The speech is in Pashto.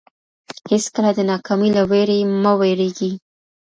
هیڅکله د ناکامۍ له وېرې مه وېرېږئ.